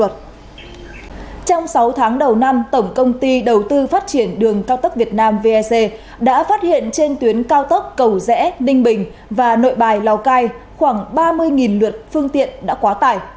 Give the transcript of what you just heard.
trong sáu tháng đầu năm tổng công ty đầu tư phát triển đường cao tốc việt nam vec đã phát hiện trên tuyến cao tốc cầu rẽ ninh bình và nội bài lào cai khoảng ba mươi lượt phương tiện đã quá tải